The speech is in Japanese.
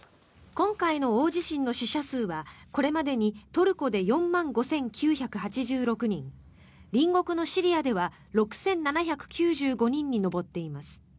今回の大地震の死者数はこれまでにトルコで４万５９８６人隣国のシリアでは６７９５人に上っています。